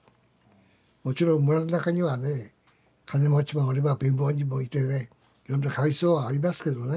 もちろん村の中にはね金持ちもおれば貧乏人もいてねいろんな階層はありますけどね。